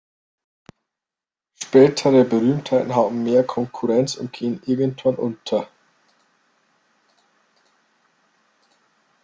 Spätere Berühmtheiten haben mehr Konkurrenz und gehen irgendwann unter.